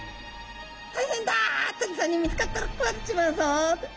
大変だ鳥さんに見つかったら食われちまうぞっと。